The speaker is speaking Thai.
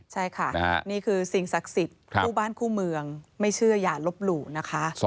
ใช่ค่ะนี่คือสิ่งศักดิ์สิทธิ์คู่บ้านคู่เมืองไม่เชื่ออย่าลบหลู่นะคะ